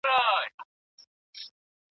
د شیکسپیر لاسلیک د ډېرې څېړنې وروسته وموندل سو.